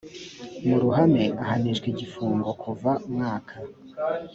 mu ruhame ahanishwa igifungo kuva mwaka